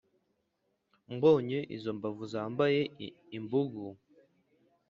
Mbonye izo mbavu zambaye imbugu